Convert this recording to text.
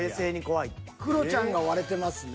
はいクロちゃん割れしてますね。